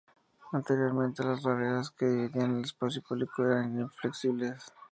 Anteriormente, las barreras que dividían el espacio público eran inflexibles.